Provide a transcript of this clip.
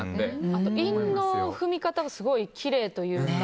あと韻の踏み方がすごいきれいというか。